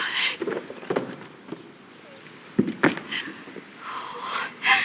เฮ้ย